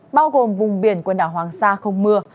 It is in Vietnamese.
bao gồm vùng biển quần đảo hoàng sa không mưa